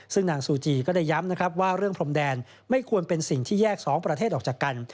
ซึ่งนางซูจีก็ได้ย้ำนะครับว่าเรื่องพรมแดนไม่ควรเป็นสิ่งที่แยกสองประเทศออกจากกัน